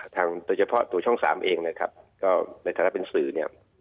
โดยเฉพาะตัวช่อง๓เองนะครับก็ในฐานะเป็นสื่อเนี่ย